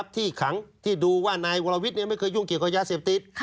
ที่ขังที่ดูว่านายวรวิทย์ไม่เคยยุ่งเกี่ยวกับยาเสพติด